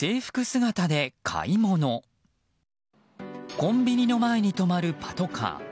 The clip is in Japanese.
コンビニの前に止まるパトカー。